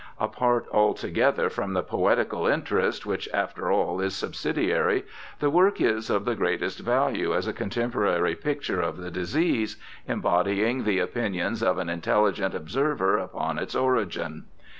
Apart altogether from the poetical interest, which after all is subsidiary, the work is of the greatest value as a contemporary picture of the disease, embody ing the opinions of an intelligent observer upon its origin.